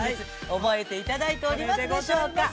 覚えていただいておりますでしょうか。